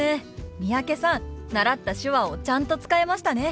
三宅さん習った手話をちゃんと使えましたね。